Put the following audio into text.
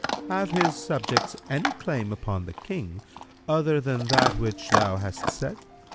Q "Have his subjects any claim upon the King other than that which thou hast said?"